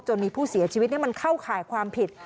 มีผู้เสียชีวิตมันเข้าข่ายความผิด